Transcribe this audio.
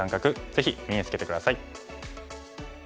ぜひ身につけて下さい。